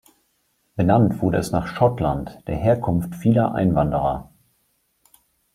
Benannt wurde es nach Schottland, der Herkunft vieler Einwanderer.